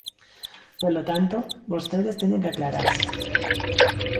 Polo tanto, vostedes teñen que aclararse.